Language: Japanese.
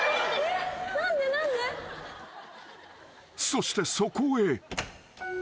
［そしてそこへ］